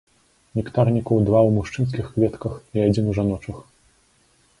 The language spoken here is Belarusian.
Нектарнікаў два ў мужчынскіх кветках, і адзін у жаночых.